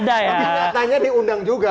tapi tanya diundang juga